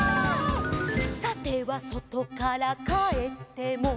「さてはそとからかえっても」